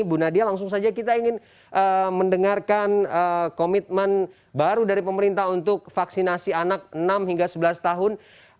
bu nadia langsung saja kita ingin mendengarkan komitmen baru dari pemerintah untuk vaksinasi anak enam hingga sebelas tahun